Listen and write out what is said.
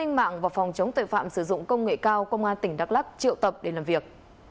an ninh mạng và phòng chống tội phạm sử dụng công nghệ cao công an tỉnh đắk lắc triệu tập để làm việc